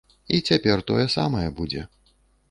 І цяпер тое самае будзе.